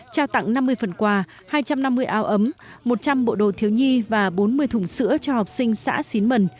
trao tặng năm mươi phần quà hai trăm năm mươi áo ấm một trăm linh bộ đồ thiếu nhi và bốn mươi thùng sữa cho học sinh xã xín mần